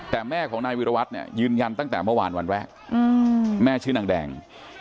แต่แม่ของนายวิรวัตรเนี่ยยืนยันตั้งแต่เมื่อวานวันแรกแม่ชื่อนางแดง